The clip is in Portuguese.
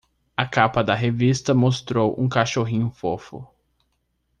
A capa da revista mostrou um cachorrinho fofo.